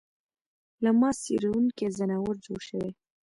له ما څېرونکی ځناور جوړ شوی